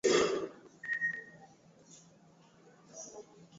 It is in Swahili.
ambaye tutangazia hatua yake kuweza kushiriki